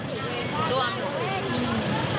พวกน้ำท่วมตลาดเป็นยังไงบ้างเราขายของที่ไหน